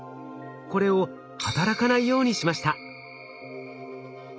これを働かないようにしました。